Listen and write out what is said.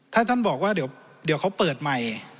ถ้าท่านบอกว่าเดี๋ยวเขาเปิดใหม่